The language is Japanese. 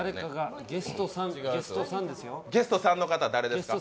ゲスト３の方誰ですか？